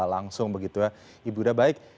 langsung begitu ya ibu udah baik